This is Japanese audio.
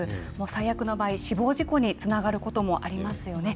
最悪の場合、死亡事故につながることもありますよね。